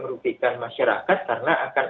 merupakan masyarakat karena akan